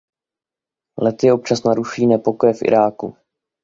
Lety občas narušují nepokoje v Iráku.